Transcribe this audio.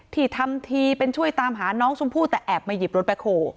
ทำทีเป็นช่วยตามหาน้องชมพู่แต่แอบมาหยิบรถแบ็คโฮ